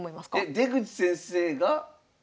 えっ出口先生が？